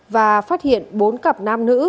và phát hiện bốn cặp nam nữ